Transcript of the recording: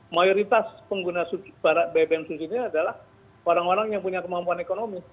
mayoritas pengguna bbm subsidi ini adalah orang orang yang punya kemampuan ekonomi